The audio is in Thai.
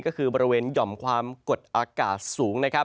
ก็คือบริเวณหย่อมความกดอากาศสูงนะครับ